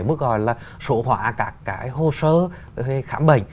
mức gọi là sổ hóa các hồ sơ khám bệnh